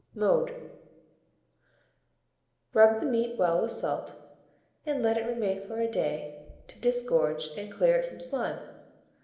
Mode. Rub the meat well with salt, and let it remain for a day, to disgorge and clear it from slime.